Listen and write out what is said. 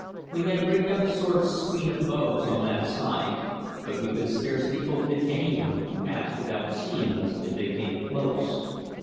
We had rigged up a sort of screen of boughs on that side, but we could scarcely hope that anyone would pass without seeing us if they came close.